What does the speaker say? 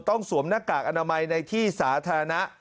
สวมหน้ากากอนามัยในที่สาธารณะ